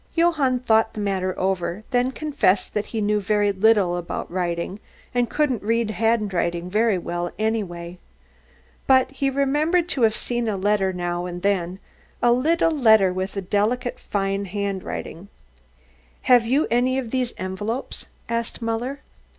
Johann thought the matter over, then confessed that he knew very little about writing and couldn't read handwriting very well anyway. But he remembered to have seen a letter now and then, a little letter with a fine and delicate handwriting. "Have you any of these envelopes?" asked Muller.